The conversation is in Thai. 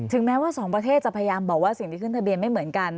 แม้ว่าสองประเทศจะพยายามบอกว่าสิ่งที่ขึ้นทะเบียนไม่เหมือนกัน